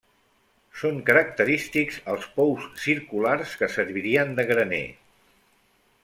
Són característics els pous circulars que servirien de graner.